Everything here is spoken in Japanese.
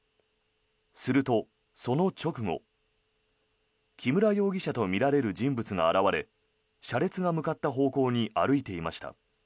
すると、その直後木村容疑者とみられる人物が現れ車列が向かった方向に歩いていました。